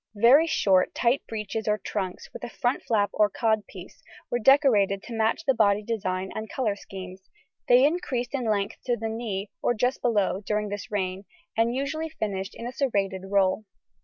Very short, tight breeches or trunks, with a front flap or codpiece, were decorated to match the body design and colour schemes; they increased in length to the knee, or just below, during this reign, and usually finished in a serrated roll.